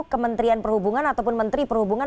kementerian perhubungan ataupun menteri perhubungan